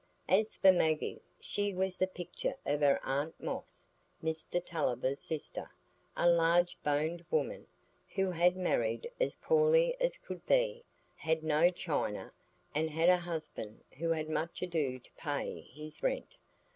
As for Maggie, she was the picture of her aunt Moss, Mr Tulliver's sister,—a large boned woman, who had married as poorly as could be; had no china, and had a husband who had much ado to pay his rent.